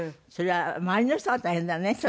それは周りの人が大変だね